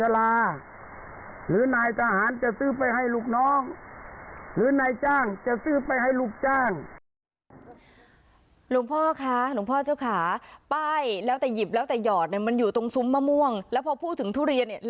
แล้วแต่หยอดเหมือนกันไหมไม่๑กิโลแล้วตั้ง๑๕๐ใช่ไหมหมอนท้องเพียงนะ